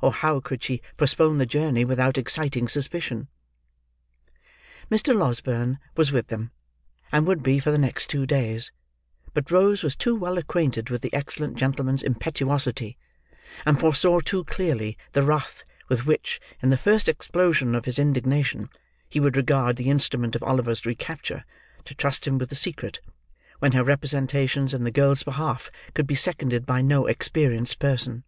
Or how could she postpone the journey without exciting suspicion? Mr. Losberne was with them, and would be for the next two days; but Rose was too well acquainted with the excellent gentleman's impetuosity, and foresaw too clearly the wrath with which, in the first explosion of his indignation, he would regard the instrument of Oliver's recapture, to trust him with the secret, when her representations in the girl's behalf could be seconded by no experienced person.